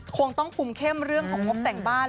คงต้องคุมเข้มเรื่องของงบแต่งบ้าน